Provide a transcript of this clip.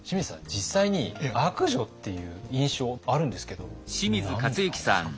実際に悪女っていう印象あるんですけど何でなんですか？